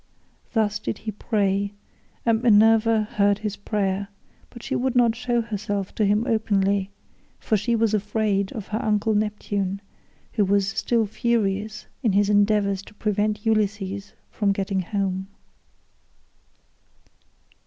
Thus did he pray, and Minerva heard his prayer, but she would not show herself to him openly, for she was afraid of her uncle Neptune, who was still furious in his endeavors to prevent Ulysses from getting home.